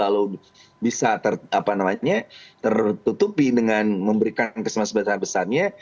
lalu bisa tertutupi dengan memberikan kesempatan sebesar besarnya